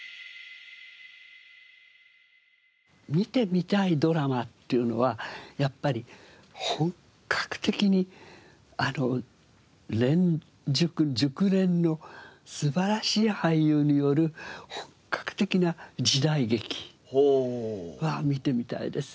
観てみたいドラマっていうのはやっぱり本格的に練熟熟練の素晴らしい俳優による本格的な時代劇は観てみたいですね。